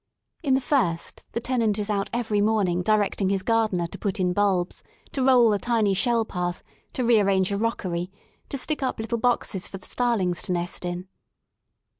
In the first the tenant is out every morning directing his gardener to put in bulbs, to roll a tiny shell path, to re arrange a rockery, to stick up little boxes for the starlings to nest in.